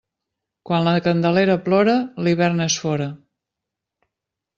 Quan la Candelera plora, l'hivern és fora.